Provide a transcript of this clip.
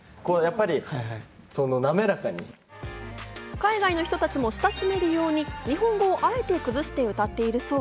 海外の人たちも親しめるように日本語をあえて崩して歌っているそう。